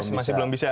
ios masih belum bisa